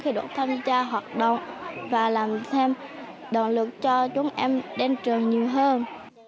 khi được tham gia hoạt động và làm thêm động lực cho chúng em đến trường nhiều hơn